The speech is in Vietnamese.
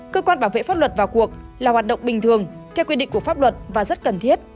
cơ quan bảo vệ pháp luật vào cuộc là hoạt động bình thường theo quy định của pháp luật và rất cần thiết